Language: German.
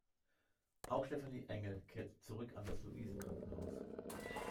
Auch Stefanie Engel kehrt zurück an das Luisen-Krankenhaus.